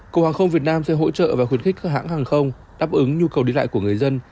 cục hàng không việt nam sẽ hỗ trợ và khuyến khích các hãng hàng không đáp ứng nhu cầu đi lại của người dân